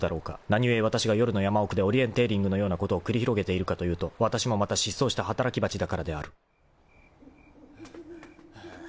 何故わたしが夜の山奥でオリエンテーリングのようなことを繰り広げているかというとわたしもまた失踪した働き蜂だからである］ハァ。